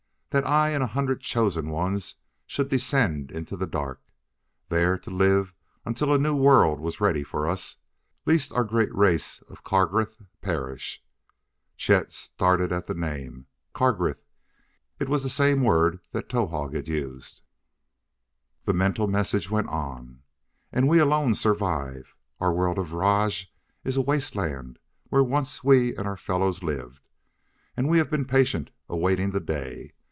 That I and a hundred chosen ones should descend into the dark, there to live until a new world was ready for us, lest our great race of Krargh perish." Chet started at the name. Krargh! It was the same word that Towahg had used. The mental message went on: "And we alone survive. Our world of Rajj is a wasteland where once we and our fellows lived. And we have been patient, awaiting the day.